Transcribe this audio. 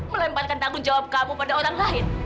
melemparkan tanggung jawab kamu pada orang lain